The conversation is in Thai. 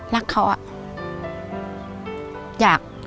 รักเขา